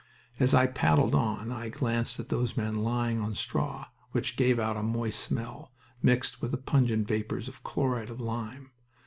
As I paddled on I glanced at those men lying on straw which gave out a moist smell, mixed with the pungent vapors of chloride of lime.